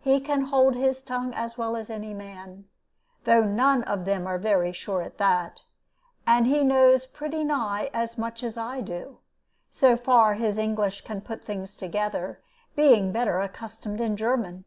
He can hold his tongue as well as any man, though none of them are very sure at that. And he knows pretty nigh as much as I do, so far as his English can put things together, being better accustomed in German.